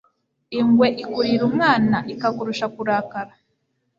Ingwe ikurira umwana ikakurusha kurakara